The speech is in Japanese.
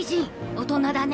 大人だね。